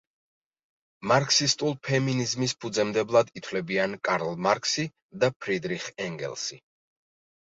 მარქსისტულ ფემინიზმის ფუძემდებლებად ითვლებიან კარლ მარქსი და ფრიდრიხ ენგელსი.